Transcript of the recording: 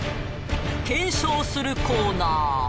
検証するコーナー